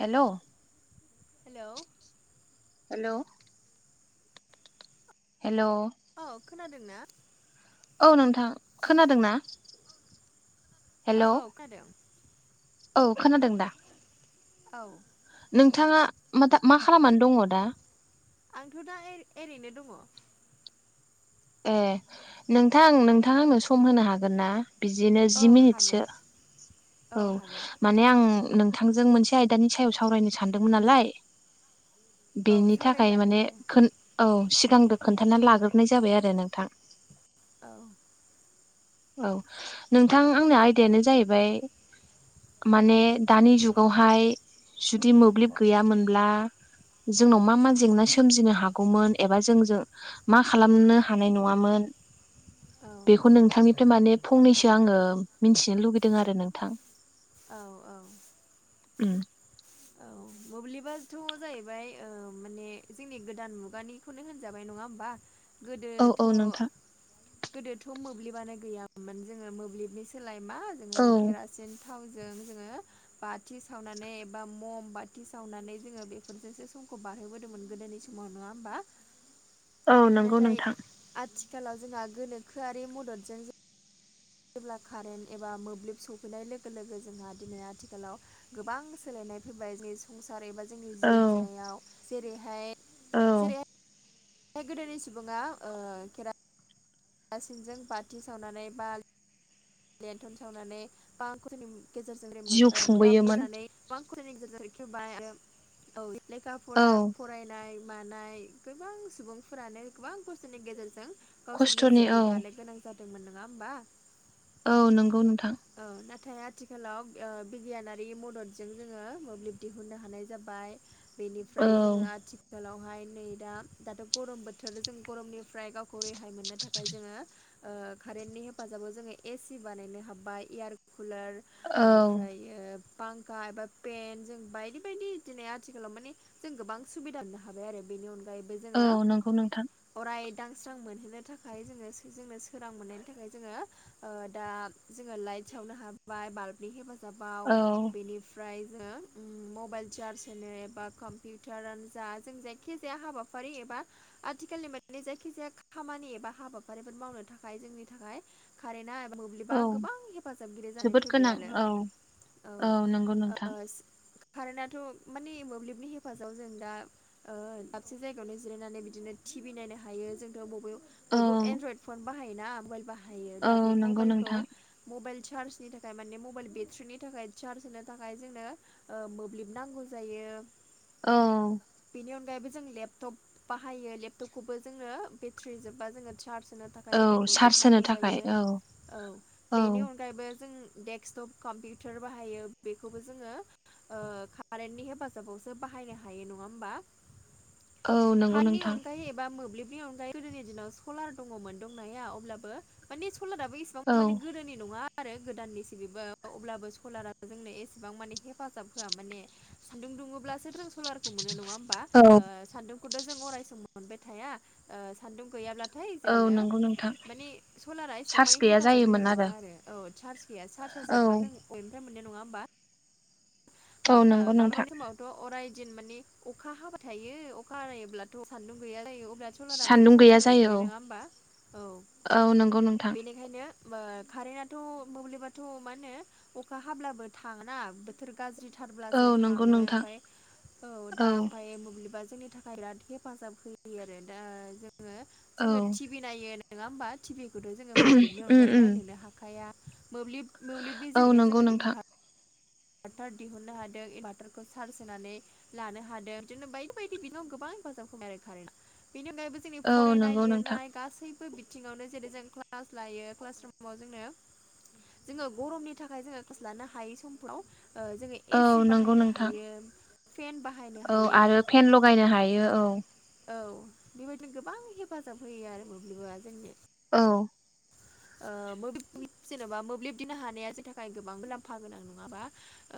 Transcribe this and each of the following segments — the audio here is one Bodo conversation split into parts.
हेल' हेलौ हेल' हेल' औ खोनादों ना औ नोंथां खोनादों ना औ औ खानादों औ खोनादों दा औ नोंथाङा मा मा खालामनानै दङ दा आंथ' दा एरैनो दङ ए नोंथां नोंथांङा आंनो सम होनो हागोन ना बिदिनो जि औ मिनिटसो हागोन औ माने आं नोंथांजों मोनसे आयदानि सायाव सावरायनो सानदोंमोन नालाय औ बेनि थाखाय सावरायजागोन माने दे औ सिगांग्रो खोन्थानानानै लाग्रोनाय जाबाय आरो नोंथां औ औ नोंथां आंनि आयदायानो जाहैबाय माने दानि जुगावहाय जुदि मोब्लिब गैयामोनब्ला जोंनाव मा मा जेंना सोमजिनो हागौमोन एबा जोंजों मा खालामनो हानाय नङामोन औ बेखौ नोंथांनि ओमफ्राय माने फंनैसो आङो मिथिनो लुगैदों आरो नोंथां औ औ उ औ मोब्लिबाथ' जाहैबाय माने जोंनि गोदान मुगानि खौनो होनजाबाय नङा होमबा औ गोदोथ' औ नोंथां गोदोथ' मोब्लिबानो गैयामोन जोङो मोब्लिबनि सोलाय मा जोङो औ केरासि सेन थावजों जोङो बाथि सावनानै बा म'म बाथि सावनानै जोङो बेफोरजोंसो समखौ बारहोबोदोंमोन गोदोनि समाव नङा होमबा [unintelligible] नंगौ नाथाय नोंथां आथिखालाव जोंहा गोनोखोआरि मददजों जों जेब्ला कारेन्ट एबा मोब्लिब सफैनाय लोगो लोगो जोंहा दिनै आथिखालाव गोबां सोलायनाय फैबाय जों संसार एबा जोंनि औ जिउ खुंनायाव जेरैहाय औ जेरैहाय बे गोदोनि सुबुङा हासिनजों बाथि सावनानै बा लन्थन सावनानै बांखौ जोंनि गेजेरजों जिउ मोगा मोगि खुंबोयोमोन जानायांनि गेजेरजों रखेवबाय औ लेखा औ फरा फरायनाय मानाय गोबां सुबुंफोरानो गोबां खस्थनि गेजेरजों सोरनि खस्थ'नि जिउखौ औ दानो गोनां जादोंमोन नङा होमबा औ नंगौ नोंथां ओ नाथाय आथिखालाव बिगियानारि मददजों जोङो मोब्लिब दिहुननो हानाय जाबाय औ बेनिफ्राय जोङो आथि खालावहाय नै दा दाथ' गरम बोथोर जों गरमनिफ्राय गावखौ रेहाय मोन नो थाखाय जोङो ओ कारेन्टनि हेफाजाबाव जोङो एसि बानायनो हाब्बाय एयार कुलार औ ओमफ्रायो फांखा एबा पेन जों बायदि बायदि दिनै आथिखालाव माने जों गोबां सुबिदा मोननो हाबाय आरो बेनि अनगायैबो औ जोङो नंगौ नोंथां अराय दांस्रां मोनहोनो थाखाय जोङो जोंनो सोरां मोननायनि थाखाय जोङो ओ दा जोङो लाइट सावनो हा बाय बाल्बनि हेफाजाबाव औ बेनि फ्राय जोङो मबाइल चार्ज होनो एबा कम्पिउटारानो जा जों जाय खिजाया हाबाफारि एबा आथिखालनि मोनै जायखिजाया खामानि बा हाबाफारिफोर मावनो थाखाय जोंनि थाखाय कारेन्टआ औ मोब्लिबा गोबां हेफाजाबगिरि जानाय जोबोद फैबाय गोनां आरो औ औ नंगौ नोंथां ओ कारेन्टथ' माने मोब्लिबनि हेफाजाब जों दा ओ दाबसे जायगायावनो जिरायनानै बिदिनो टिभि नायनो हायो जोंथ' बबे औ बयबो एनड्रइड फन बाहायोना मबाइल बाहायो औ दा बे नंगौ मबाइलखौ नोंथां मबाइल चार्जनि थाखाय माने मबाइल बेट्रिनि थाखाय चार्ज होनो थाखाय जोंनो ओ मोब्लिब नांगौ जायो औ बेनि अनगायैबो जों लेपटप बाहायो लेपटपखौबो जोङो बेट्रि जोब्बा जोङो चार्ज होनो थाखाय औ जोंनो मोब्लिब सार्स होनो नांगौ थाखाय जायो औ औ बेनि अनगायैबो जों देग डेक्सटप कम्पिउटार बाहायो बेखौबो जोङो ओ कारेन्टनि हेफाजाबावसो बाहायनो हायो नङा होमबा औ नंगौ कारेननि नोंथां अनगायै एबा मोब्लिबनि अनगायै गोदोनि दिनाव सलार दङमोन दंनाया अब्लाबो माने सलाराबो इसेबां औ माने गोदोनि नङा आरो गोदाननिसे बेबो अब्लाबो सलारा जोंनो एसेबां माने हेफाजाब होआ माने सान्दुं दुङोब्लासो जों सलार खौ मोनो नङा होमबा औ सान्दुंखौथ' जों अरायसम मोनबाय थाया सान्दुं गैयाब्ला खाय औ जोंनो नंगौ नोंथां माने सलारा इसेबां चार्ज माने गैया हेफाजाबगिरि जायोमोन नङा आरो औ चार्ज गैया चार्जआ औ जोबबा जों गयनिफ्राय मोननाय नङा होनोमबा औ माब नंगौ नोंथां माबाबानि [unintelligible] समाव थ' अराय दिन माने अखा हाबाय थायो अखा हायोब्लाथ' सान्दुं गैया जायो अब्ला थ' सलारा माजों सान्दुं चार्ज गैया जायो जालायखो नङा होनबा औ नंगौ नोंथां बेनि ओंखायनो ओ कारेन्टथ' मोब्लिबाथ' मा होनो अखा हाब्लाबो थाङोना बोथोर औ गाज्रिथारब्लासो नंगौ थाङो नोंथां ओमफाय औ दा ओमफाय मोब्लिबा जोंनि थाखाय बिराद हेफाजाब होयो आरो दा जोङो औ जोङो टि भि नायो नङा होमबा टिभि खौथ' जोङो मोब्लिबनि उम अनगायै उम नायलिरनो हाखाया मोब्लिब औ मोब्लिबनिजोंनो नंगौ जोंङो नोंथां इनभार भार्टार दिहुननो हादों इनभार्टारखौ चार्ज होनानै लानो हादों बिदिनो बायदि बायदि बिनाव गोबां हेफाजाबखौ आरो खारेना बेनि अनगायैबो जों जोंनि औ फरायनाय नंगौ नोंथां लिरनाय गासैबो बिथिङावनो जेरै जों क्लास लायो क्लास रुमाव जोंनो जोङो गरमनि थाखाय जोङो क्लास लानो हायै समफ्राव ओ जोङो औ एसि नंगौ बाहायनो नोंथां हायो फेन बा औ आरो फेन लगायनो हायो औ औ बेबायदिनो गोबां हेफाजाब होयो आरो मोब्लिबआ जोंनो औ ओ मोब्लिब [unintelligible] जेन'बा मोब्लिब दिनो हानाया जों थाखाय गोबां मुलाम्फा गोनां नङाबा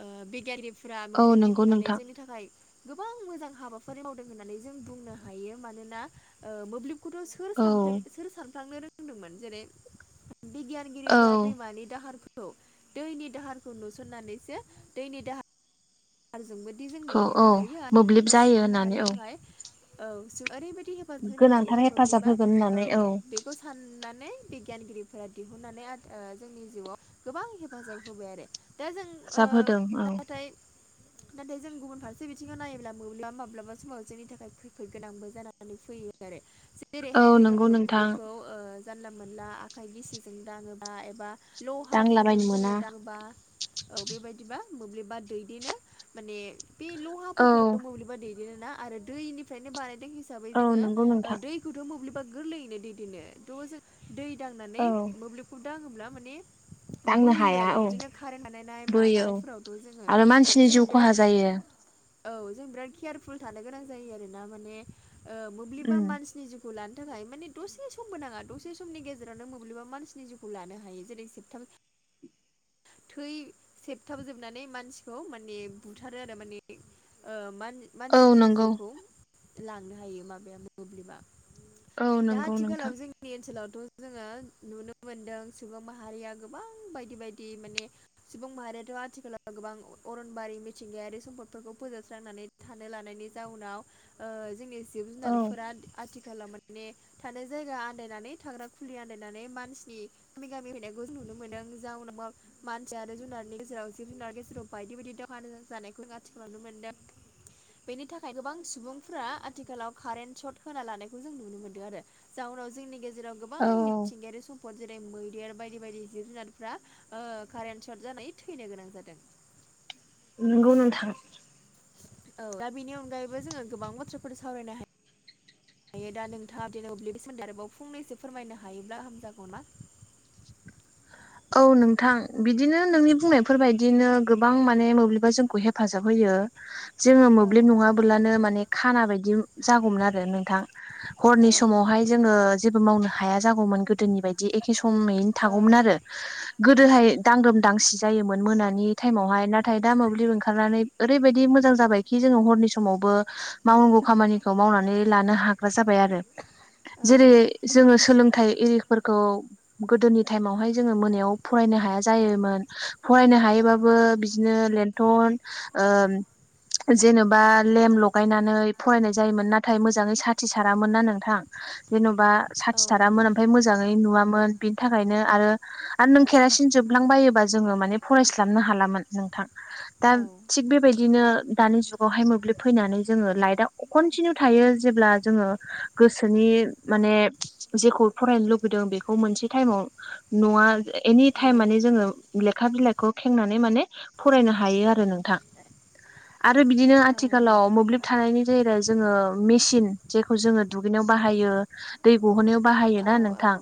ओ बिगियानिफोरा औ मोब्लिब नंगौ दिहुननानै नोंथां जोंनि थाखाय गोबां मोजां हाबाफारि मावदों होननानै जों बुंनो हायो मानोना ओ मोब्लिबखौथ' सोर औ सानफ्ले सोर सानफ्लांनो रोंदोंमोन जेरै औ बिगियानगिरिफोरा दैमानि दाहार दैनि दाहारखौ नुसननानैसो दैनि दाहार जोंबायदि खौ जों औ [unintelligible] हायो आरो मोब्लिब मोब्लिबा जायो सुबुं होननानै माहारिनि औ थाखाय औ ओरैबायदि फोर होनो हायो गोनांथार हेफाजाब मोब्लिबा होगोन औ होननानै बे खौ साननानै बिगियानगिरिफोरा दिहुननानै आ जोंनि जिउआव गोबां हेफाजाब होबाय आरो दा जों हेफाजाब होदों औ नाथाय नाथाय जों गुबुन फारसे बिथिङाव नायोब्ला मोब्लाबा माब्लाबा समाव जोंनि थाखाय खैफोद गोनांबो जानो फैयो आरो औ जेरैहाय जोङो नंगौ नोंथां मोब्लिबखौ ओ जानला मोनला आखाइ गिसिजों दाङोबा एबा लहाफोरजों दांलाबायनो मोना जोङो दांबा औ बेबायदिबा मोब्लिबा दैदेनो माने बे लहाफोरखौनो मोब्लिबा दैदेनो ना आरो दैनिफ्रायनो बानायदों हिसाबै औ जोङो नंगौ नोंथां दैखौथ' मोब्लिबा गोरलैयैनो दैदेनो थ जों दै दांनानै औ मोब्लिबखौ दाङोब्ला माने दांनो बोयो हाया आरो औ बिदिनो कारेन्ट बानायनाय बोयो औ मानायफोरावथ' जोङो आरो मानसिनि जोङो जिउ खहा बिराद जायो औ जों बिराद केयारफुल थानो गोनां जायो आरोना माने ओ उम मोब्लिबा मानसिनि जिउ खौ लानो थाखाय माने दसे समबो नाङा दसे समनि गेजेरावनो मोब्लिबा मानसिनि जिउखौ लानो हायो जेरै जोबथाम [inaudible] थै सेबथाबजोबनानै मानसिखौ मा ने बुथारो आरो माने ओ मान औ मानसिनि नंगौ जिउखौ लांनो हायो माबाया मोब्लिबा औ दा नंगौ नोंथां आथिखालाव जों जोंनि ओनसोलावथ' जोङो नुनो मोनदों सुबुं माहारिया गोबां बायदि बायदि माने सुबुं माहारियाथ' आथिखालाव गोबां अरनबारि मिथिंगायारि सम्पदफोरखौ फोजोबस्रांनानै थानो लानायनि जाउनाव ओ जोंनि जिब औ जुनारफोरा आथिखलाव माने थानाय जायगा आन्दायनानै थाग्रा खुलि आन्दायनानै मानसिनि गामि गामि हैनायखौ नुनो मोनदों जा उनाव मानसिया आरो जुनारनि गेजेराव जिब जुनार गेजेराव बायदि बायदि दखान जानायखौ जों आथिखालाव मोनदों बेनि थाखाय गोबां सुबुंफोरा आथिखालाव कारेन्ट सर्ट होना लानायखौ जों नुनो मोनदों आरो जाउनाव जोंनि गेजेराव गोबां औ मिथिंगायारि सम [unintelligible] जेरै मैदेर बायदि बायदि जिब जुनारफ्रा कारेन्ट सट जानाय थैनो गोनां जादों नोंगौ नोंथां औ दा बेनि अनगायैबो जोङो गोबां बाथ्राफोर सावरायनो हायो दा नोंथाङा बिदिनो [unintelligible] सोमोन्दै आरोबाव फंनैसो फोरमायनो हायोब्ला हामजागौ नामा औ नोंथां बिदिनो नोंनि बुंनायफोर बादिनो गोबां माने मोब्लिबा जोंखौ हेफाजाब होयो जोङो औ मोब्लिब नङाब्लानो माने खाना बायदि जागौमोन आरो नोंथां औ हरनि समावहाय जोङो जेबो मावनो हाया जागौमोन गोदोनि बायदि एखे समयैनो थागौमोन आरो गोदोहाय दांग्रोम दांसि जायोमोन मोनानि टाइमावहाय नाथाय दा मोब्लिब ओंखारनानै ओरैबायदि मोजां जाबायखि जोङो हरनि समावबो मावनांगौ खामानिखौ मावनानै लानो हाग्रा जाबाय आरो औ जेरै जोङो सोलोंथाइ एरिफोरखौ गोदोनि टाइमावहाय जोङो मोनायाव फरायनो हाया जायोमोन फरायनो औ हायोबाबो बिदिनो लेन्थन ओम जेनेबा लेम्प लगायनानै फरायनाय जायोमोन नाथाय मोजाङै साथि सारामोनना नों थां जेन'बा औ नंगौ साथिथारामोन ओमफ्राय मोजाङै नुवामोन बिनि थाखायनो आरो आरो नों खेरासिन जोबलांबायोब्ला जोङो माने फरायस्लाबनो हाला मोन नोंथां दा औ थिग बेबायदिनो दानि जुगावहाय मोब्लिब फैनानै जोङो लाइटा खनटिनिउ थायो जेब्ला जोङो गोसोनि माने जेखौ फरायनो लुबैदों बेखौ मोनसे टाइमाव न'आ एनि औ टाइम माने जोङो लेखा बिलाइखौ खेंनानै माने फरायनो हायो आरो नोंथां आरो बिदिनो औ नंगौ आथिखालाव मोब्लिब थानायनि जाहै जोङो मेसिन जेखौ जोङो दुगैनायाव बाहायो दै गहोनायाव औ बाहायोना औ नोंथां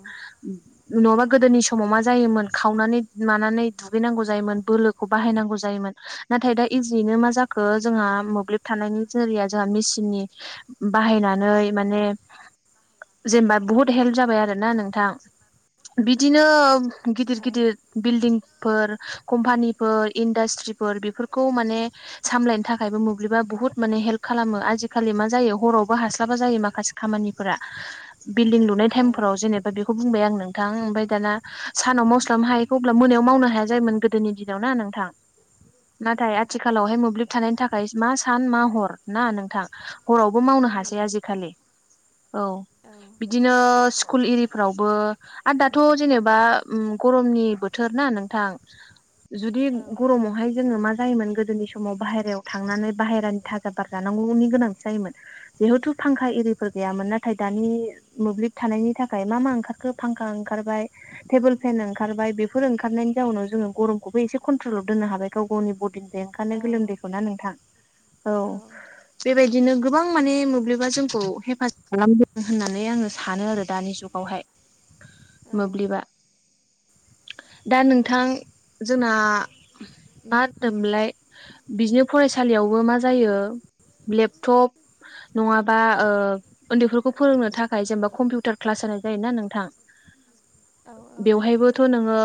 नङाबा औ गोदोनि समाव मा जायोमोन खावनानै मानानै दुगैनांगौ जायोमोन बोलोखौ बाहायनांगौ जायोमोन नाथाय दा इजियैनो मा जाखो जोंहा मोब्लिब थानायनि जरैया जोंहा मेसिननि बाहायनानै माने जेनबा बुहुत हेल्प जाबाय आरो ना नोंथां बिदिनो गिदिर गिदिर बिल्डिंफोर कम्पानिफोर इन्डास्ट्रि फोर बेफोरखौ माने सामलायनो थाखायबो मोब्लिबा बुहुत माने हेल्प खालामो आजिखालि मा जायो हरावबो हास्लाबा जायो माखासे खामानिफोरा बिल्डिं लुनाय औ टाइमफोराव जेनेबा बेखौ बुंबाय आं नोंथां ओमफ्राय दाना सानाव मावस्लाबनो औ हायैखौ होमब्ला मोनायाव मावनो हाया जायोमोन गोदोनि दिनाव ना नोंथां नाथाय औ आथिखालावहाय मोब्लिब थानायनि थाखाय मा सान मा हर ना नोंथां हरावबो मावनो उम हासै आजिखालि औ बिदिनो स्कुल एरिफ्रावबो आ दाथ' जेनेबा गरमनि बोथोर ना नोंथां जुदि औ गरमावहाय जोङो मा जायोमोन गोदोनि समाव बाहेरायाव थांनानै बाहेरानि थाखाय बार जानांगौनि गोनांथि जायोमोन जिहेथु फांखा एरिफोर गैयामोन नाथाय दानि मोब्लिब थानायनि थाखाय मा मा ओंखारखो फांखा ओंखारबाय टेबोल फेन ओंखारबाय बेफोर ओंखारनायनि जाउनाव जोङो गरमखौबो एसे कन्ट्रलाव दोननो हाबाय गाव गावनि बदि निफ्राय औ ओंखायनो गोलोमदैखौ ना नोंथां औ बेबायदिनो गोबां माने मोब्लिबा जोंखौ हेफाजाब खालामदों होननानै आङो सानो आरो दानि जुगावहाय औ मोब्लिबा दा नोंथां जोंना मा होनदो मोनलाय बिदिनो फरायसालियावबो मा जायो लेपटप नङाबा उन्दैफोरखौ फोरोंनो थाखाय जेनेबा कम्पिउटार क्लास होनाय जायो ना नोंथां औ औ बेवहायबो थ' नोङो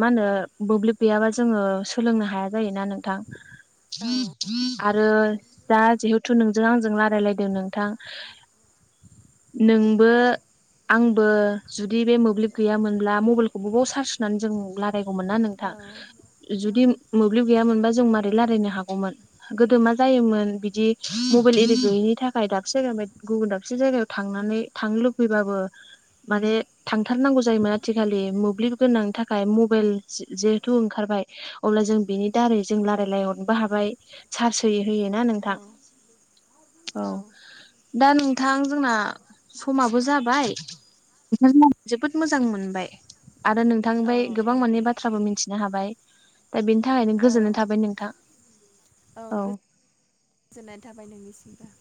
मा होनो बोब्लिब गैयाबा जोङो सोलोंनो हाया जायोना नोंथां आरो जा जिहेथु नोंजों आंजों रायलायलायदों नोंथां नोंबो आंबो जुदि बे मोब्लिब गैयामोनब्ला मबाइलखौ बबाव सार्ज होनानै जों नु रायगौमोन ना नोंथां जुदि मोब्लिब गैयामोनबा जों माबोरै रायल्लायनो हागौमोन गोदो मा जायोमोन बिदि मबाइल एरि गैयैनि थाखाय दाबसे जायगायाव गुबुन दाबसे जायगायाव थांनानै थांनो लुबैबाबो माने थांथारनांगौ जायोमोन आथिखालि मोब्लिब गोनांनि थाखाय मबाइल जिहेथु ओंखारबाय अब्ला जों बिनि दारै जों रायलायहरनोबो हाबाय चार्स हैयै होयै ना नोंथां औ दा नोंथां जोंना समाबो जाबाय नोंथां जोबोद मोजां मोनबाय आरो नोंथां औ गोबां माने बा बाथ्राबो मिथिनो हाबाय दा बेनि थाखायनो औ गोजोननाय थाबाय नोंथां औ गोजोननाय थाबाय नोंनिसिमबो